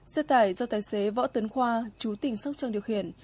xe tải do tài xế võ tấn khoa chú tỉnh sóc trăng điều khiển